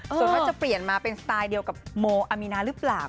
ส่วนว่าจะเปลี่ยนมาเป็นสไตล์เดียวกับโมอามีนาหรือเปล่า